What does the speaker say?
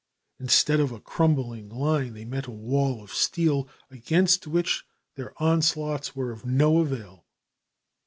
Instead of a crumbling line, they met a wall of steel against which their onslaughts were of no avail.